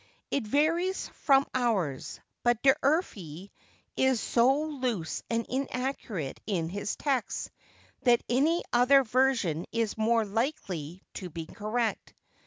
It varies from ours; but D'Urfey is so loose and inaccurate in his texts, that any other version is more likely to be correct.